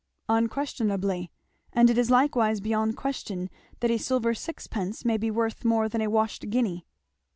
"Unquestionably and it is likewise beyond question that a silver sixpence may be worth more than a washed guinea."